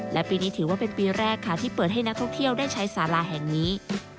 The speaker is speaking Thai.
และปีนี้ถือว่าเป็นปีแรกค่ะที่เปิดให้นักท่องเที่ยวได้ใช้สาราแห่งนี้